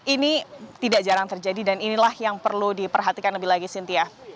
ini tidak jarang terjadi dan inilah yang perlu diperhatikan lebih lagi cynthia